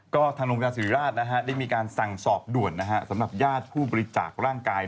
ก็ทางโรงพยาบาลศิริราชนะฮะได้มีการสั่งสอบด่วนนะฮะสำหรับญาติผู้บริจาคร่างกาย